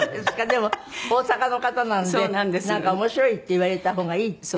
でも大阪の方なんでなんか「面白い」って言われた方がいいって。